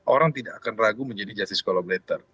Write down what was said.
orang tidak akan ragu menjadi justice collaborator